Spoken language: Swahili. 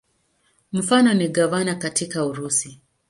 Mfano ni gavana katika Urusi.